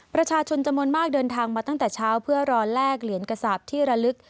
ประชาชนจำนวนมากเดินทางมาตั้งแต่เช้าเพื่อรอแลกเหรียญกระสาปที่ระลึก